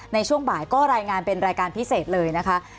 ในช่วงบ่ายก็รายงานเป็นรายการพิเศษเลยนะคะ